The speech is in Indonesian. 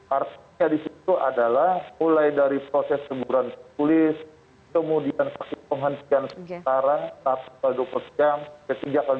artinya di situ adalah mulai dari proses semburan tulis kemudian saksi penghentian setara